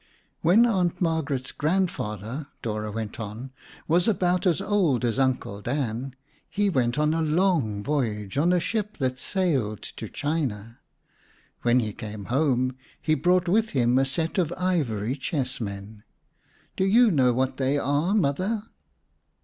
"When Aunt Margaret's grandfather," Dora went on, "was about as old as Uncle Dan, he went on a long voyage on a ship that sailed to China. When he came home, he brought with him a set of ivory chess men. Do you know what they are, Mother?"